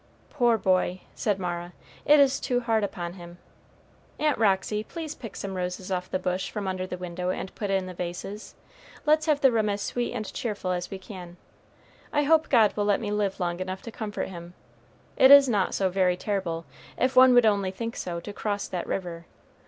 "Poor boy!" said Mara, "it is too hard upon him. Aunt Roxy, please pick some roses off the bush from under the window and put in the vases; let's have the room as sweet and cheerful as we can. I hope God will let me live long enough to comfort him. It is not so very terrible, if one would only think so, to cross that river.